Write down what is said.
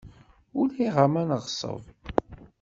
Ulayɣer ma neɣṣeb.